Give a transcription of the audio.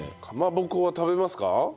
かまぼこは食べますか？